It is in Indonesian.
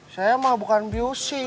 saya mah bukan busy